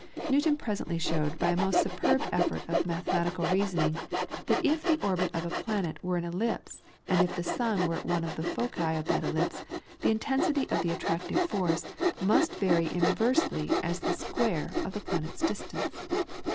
Newton presently showed by a most superb effort of mathematical reasoning, that if the orbit of a planet were an ellipse and if the sun were at one of the foci of that ellipse, the intensity of the attractive force must vary inversely as the square of the planet's distance.